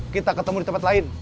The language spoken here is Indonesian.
kita ketemu di tempat lain